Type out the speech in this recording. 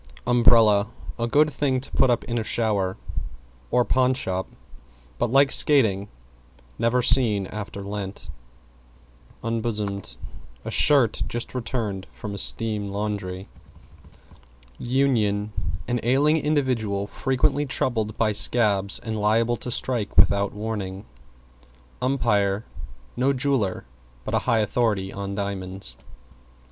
=UMBRELLA= A good thing to put up in a shower or pawn shop; but, like skating, never seen after Lent. =UNBOSOMED= A shirt just returned from a steam laundry. =UNION= An ailing individual frequently troubled by scabs and liable to strike without warning. =UMPIRE= No jeweler, but a high authority on diamonds.